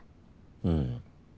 うん。